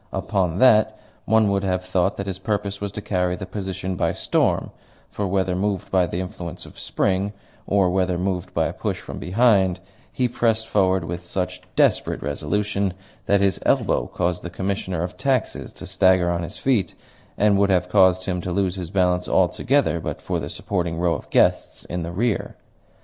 Upon that one would have thought that his purpose was to carry the position by storm; for, whether moved by the influence of spring, or whether moved by a push from behind, he pressed forward with such desperate resolution that his elbow caused the Commissioner of Taxes to stagger on his feet, and would have caused him to lose his balance altogether but for the supporting row of guests in the rear.